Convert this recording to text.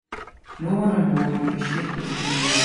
No one on board either ship was injured.